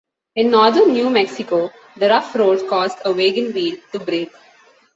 In northern New Mexico, the rough road caused a wagon wheel to break.